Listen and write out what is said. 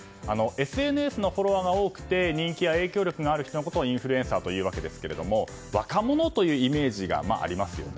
ＳＮＳのフォロワーが多くて人気や影響力がある人のことをインフルエンサーと言うわけですが若者というイメージがありますよね。